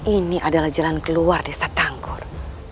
ini adalah jalan keluar desa tangkor